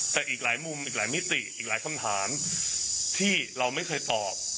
แต่อีกหลายมุมอีกหลายมิติอีกหลายคำถามที่เราไม่เคยตอบ